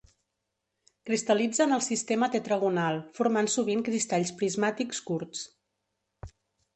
Cristal·litza en el sistema tetragonal, formant sovint cristalls prismàtics curts.